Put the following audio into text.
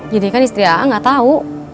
jadi kan istri a'atnya nggak tahu